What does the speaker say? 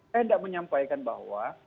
saya tidak menyampaikan bahwa